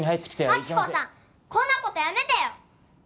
亜希子さんこんなことやめてよ！